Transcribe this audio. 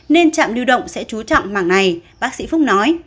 nên trạm lưu động sẽ trú trọng mảng này bác sĩ phúc nói